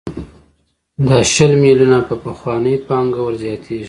دا شل میلیونه په پخوانۍ پانګه ورزیاتېږي